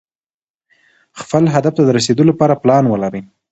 خپل هدف ته د رسېدو لپاره پلان ولرئ.